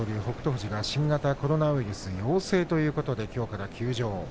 富士、新型コロナウイルス陽性ということできょうから休場。